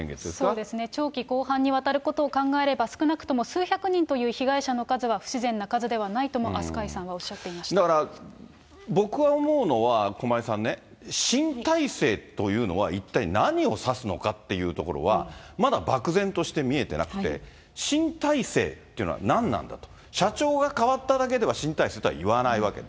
そうですね、長期広範にわたることを考えれば、少なくとも数百人という被害者の数は不自然な数ではないとも飛鳥だから、僕が思うのは駒井さんね、新体制というのは、一体何を指すのかっていうところは、まだ漠然として見えてなくて、新体制っていうのは何なんだと。